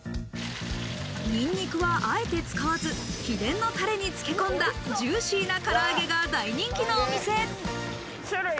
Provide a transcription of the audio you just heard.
ニンニクはあえて使わず、秘伝のタレに漬け込んだジューシーなから揚げが大人気のお店。